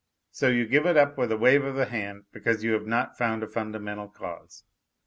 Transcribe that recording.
So you give it up with a wave of the hand because you have not found a fundamental cause.